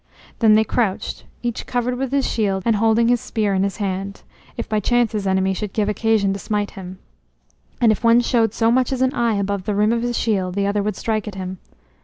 Then they crouched, each covered with his shield and holding his spear in his hand, if by chance his enemy should give occasion to smite him; and if one showed so much as an eye above the rim of his shield the other would strike at him.